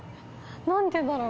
何でだろう？